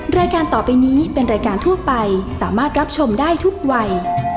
รายการต่อไปนี้เป็นรายการทั่วไปสามารถรับชมได้ทุกวัย